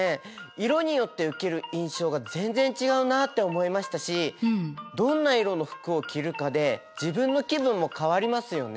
色によって受ける印象が全然違うなって思いましたしどんな色の服を着るかで自分の気分も変わりますよね。